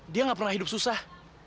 dia gak pernah hidup susah